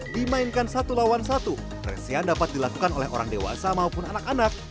dimainkan satu lawan satu resian dapat dilakukan oleh orang dewasa maupun anak anak